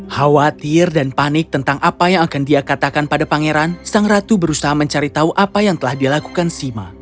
khawatir dan panik tentang apa yang akan dia katakan pada pangeran sang ratu berusaha mencari tahu apa yang telah dilakukan sima